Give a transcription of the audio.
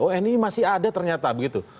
oh ini masih ada ternyata begitu